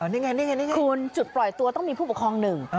นี่ไงคุณจุดปล่อยตัวต้องมีผู้ปกครองหนึ่ง